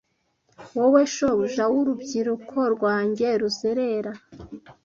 Wowe shobuja w'urubyiruko rwanjye ruzerera,